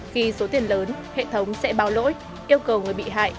khi số tiền lớn hệ thống sẽ báo lỗi yêu cầu người bị hại